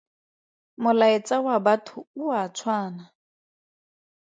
Molaetsa wa batho o a tshwana.